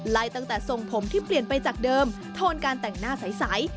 ตั้งแต่ทรงผมที่เปลี่ยนไปจากเดิมโทนการแต่งหน้าใส